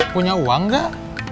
punya uang gak